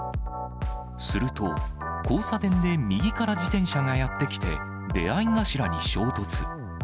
すると、交差点で右から自転車がやって来て、出会い頭に衝突。